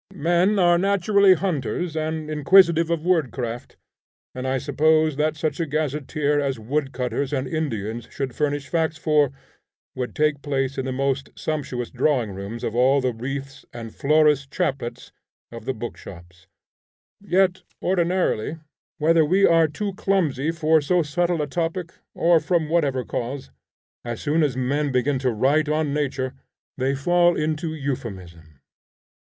Men are naturally hunters and inquisitive of wood craft, and I suppose that such a gazetteer as wood cutters and Indians should furnish facts for, would take place in the most sumptuous drawing rooms of all the "Wreaths" and "Flora's chaplets" of the bookshops; yet ordinarily, whether we are too clumsy for so subtle a topic, or from whatever cause, as soon as men begin to write on nature, they fall into euphuism.